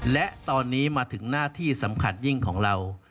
และตอนนี้มาถึงหน้าที่สำคัญยิ่งของเรา